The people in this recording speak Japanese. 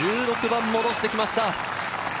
１６番、戻してきました。